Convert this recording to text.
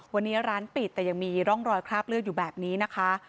วันนี้ร้านปิดแต่ยังมีร่องรอยคราบเลือดอยู่แบบนี้นะคะ